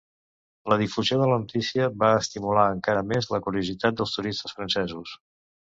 La difusió de la notícia va estimular encara més la curiositat dels turistes francesos.